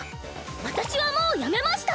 私はもうやめました。